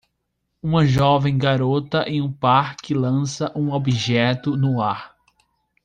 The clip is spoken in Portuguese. Uma jovem garota em um parque lança um objeto no ar.